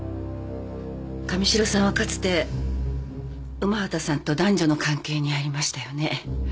神代さんはかつて午端さんと男女の関係にありましたよね？